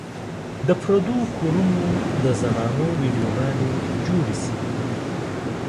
د پردو کورونو د زنانو ويډيو ګانې جوړې شي